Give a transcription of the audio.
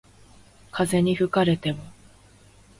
風に吹かれても